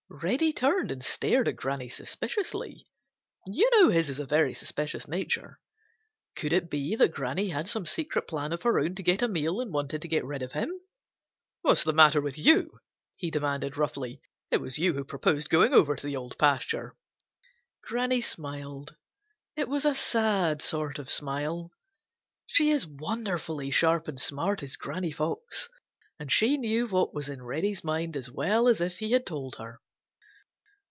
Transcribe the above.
Reddy turned and stared at Granny suspiciously. You know his is a very suspicious nature. Could it be that Granny had some secret plan of her own to get a meal and wanted to get rid of him? "What's the matter with you?" he demanded roughly. "It was you who proposed going over to the Old Pasture." Granny smiled. It was a sad sort of smile. She is wonderfully sharp and smart, is Granny Fox, and she knew what was in Reddy's mind as well as if he had told her.